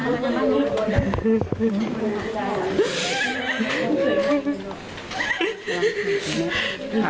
โอ้โหโอ้โห